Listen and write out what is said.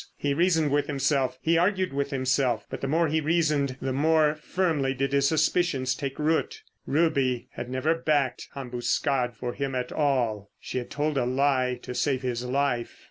He reasoned with himself, he argued with himself. But the more he reasoned the more firmly did his suspicions take root. Ruby had never backed Ambuscade for him at all. She had told a lie to save his life!